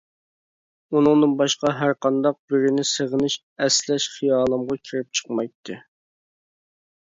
ئۇنىڭدىن باشقا ھەرقانداق بىرىنى سىغىنىش، ئەسلەش خىيالىمغا كىرىپ چىقمايتتى.